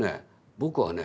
「僕はね